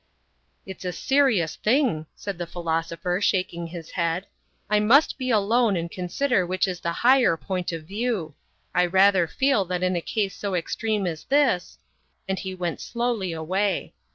"It's a serious thing," said the philosopher, shaking his head. "I must be alone and consider which is the higher point of view. I rather feel that in a case so extreme as this..." and he went slowly away.